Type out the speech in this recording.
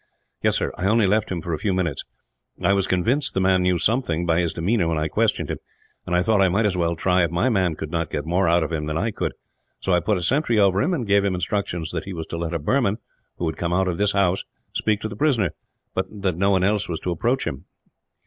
"Yes, sir; I only left him for a few minutes. I was convinced the man knew something, by his demeanour when I questioned him; and I thought I might as well try if my man could not get more out of him than I could. So I put a sentry over him, and gave him instructions that he was to let a Burman, who would come out of this house, speak to the prisoner; but that no one else was to approach him.